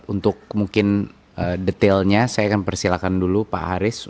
untuk mungkin detailnya saya akan persilahkan dulu pak haris